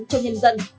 cho nhân dân